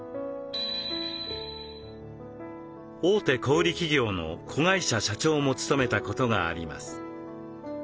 大手小売企業の子会社社長も務めたことがあります。